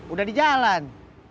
udah di jalan